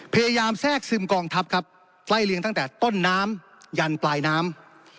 พยายามแทรกซึมกองทัพครับไล่เลี้ยงตั้งแต่ต้นน้ำยันปลายน้ำ